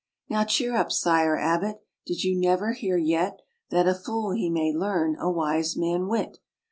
"Now cheer up, sire abbot, did you never hear yet That a fool he may learn a wise man wit?